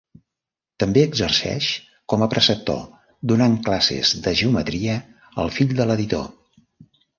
També exerceix com a preceptor, donant classes de geometria al fill de l'editor.